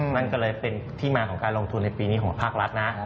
นั่นก็เลยเป็นที่มาของการลงทุนในปีนี้ของภาครัฐนะ